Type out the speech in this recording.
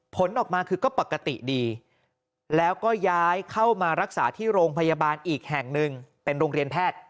ผลออกมาคือก็ปกติดีแล้วก็ย้ายเข้ามารักษาที่โรงพยาบาลอีกแห่งหนึ่งเป็นโรงเรียนแพทย์